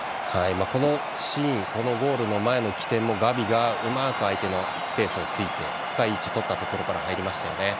このシーンこのゴールの前の起点もガビがうまく相手のスペース突いて深い位置をとったところから入りましたよね。